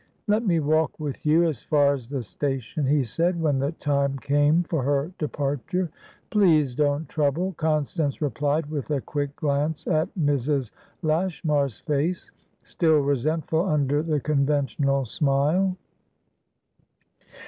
"Let me walk with you as far as the station," he said, when the time came for her departure. "Please don't trouble," Constance replied, with a quick glance at Mrs. Lashmar's face, still resentful under the conventional smile.